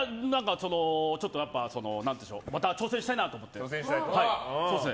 ちょっとまた挑戦したいなと思って。